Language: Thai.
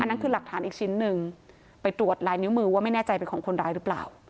นั่นคือหลักฐานอีกชิ้นหนึ่งไปตรวจลายนิ้วมือว่าไม่แน่ใจเป็นของคนร้ายหรือเปล่า